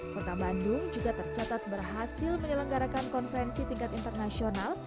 kota bandung juga tercatat berhasil menyelenggarakan konferensi tingkat internasional